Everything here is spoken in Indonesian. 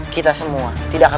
kita semua tidak akan